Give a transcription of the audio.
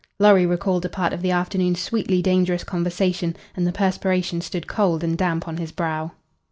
Lorry recalled a part of the afternoon's sweetly dangerous conversation and the perspiration stood cold and damp on his brow.